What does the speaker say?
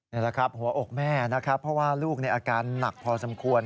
นี่แหละครับหัวอกแม่นะครับเพราะว่าลูกอาการหนักพอสมควร